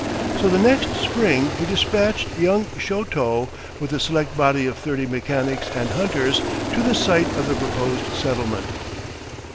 So, the next spring he dispatched young Chouteau with a select body of thirty mechanics and hunters to the site of the proposed settlement.